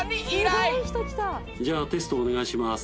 じゃあテストお願いします。